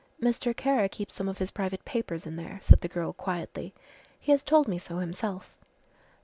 "Mr. Kara keeps some of his private papers in there," said the girl quietly, "he has told me so himself."